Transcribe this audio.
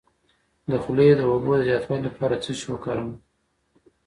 د خولې د اوبو د زیاتوالي لپاره څه شی وکاروم؟